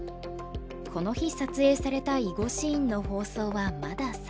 この日撮影された囲碁シーンの放送はまだ先。